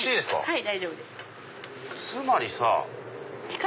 はい。